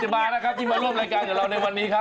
มานะครับที่มาร่วมรายการกับเราในวันนี้ครับ